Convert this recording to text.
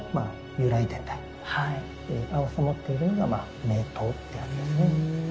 由来伝来を併せ持ってるのが名刀ってやつですね。